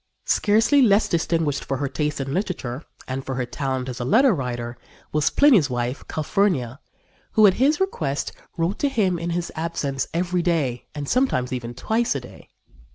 " Scarcely less distinguished for her taste in literature, and for her talent as a letter writer, was Pliny's wife, Calphurnia, who, at his request, wrote to him in his absence every day and sometimes even twice a day.